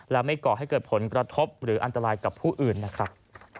และไม่ก่อให้เกิดผลกระทบหรืออันตรายกับผู้อื่นนะครับ